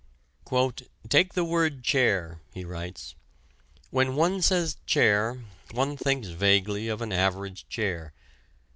"Take the word chair," he writes. "When one says chair, one thinks vaguely of an average chair.